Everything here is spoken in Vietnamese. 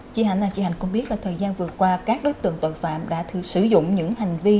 chị hạnh cũng biết là thời gian vừa qua các đối tượng tội phạm đã sử dụng những hành vi